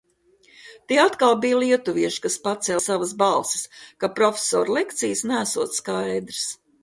Tie atkal bija lietuvieši, kas pacēla savas balsis, ka profesora lekcijas neesot skaidras.